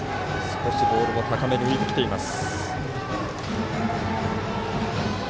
少しボールも高めに浮いてきています。